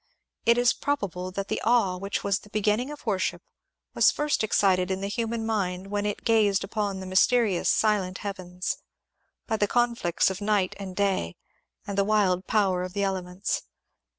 It is probable that the awe which was the beginning of worship was first excited in the human mind when it gazed upon the mysterious, silent heavens, by the conflicts of night and day, and the wild power of the elements.